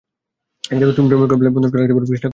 তুমি প্রেমের কপালে, বন্দুকটা রাখতে পারবে, কৃষ্ণা কুমার?